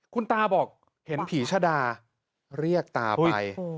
คุณตาบอกเห็นผีชะดาเรียกตาไป